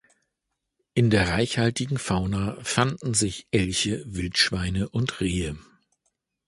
In der reichhaltigen Fauna fanden sich Elche, Wildschweine und Rehe.